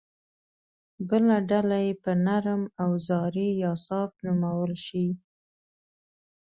بله ډله یې به نرم اوزاري یا سافټ نومول شي